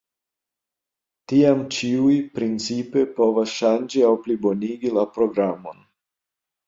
Tiam ĉiuj principe povas ŝanĝi aŭ plibonigi la programon.